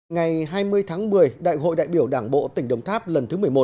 ngày hai mươi tháng một mươi đại hội đại biểu đảng bộ tỉnh đồng tháp lần thứ một mươi một